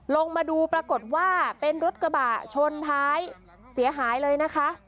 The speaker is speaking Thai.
ลงมาดูปรากฏว่าเป็นรถกระบะชนท้ายเสียหายเลยนะคะ